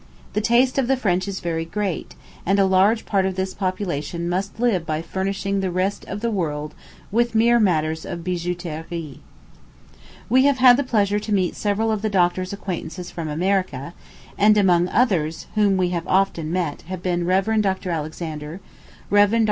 The taste of the French is very great, and a large part of this population must live by furnishing the rest of the world with mere matters of bijouterie. We have had the pleasure to meet several of the doctor's acquaintances from America; and among others whom we have often met have been Rev. Dr. Alexander, Rev. Dr.